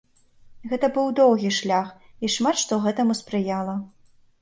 Гэты быў доўгі шлях, і шмат што гэтаму спрыяла.